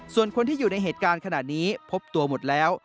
ส่วนคนที่อยู่ในเหตุการณ์ขณะนี้พบตัวหมดแล้ว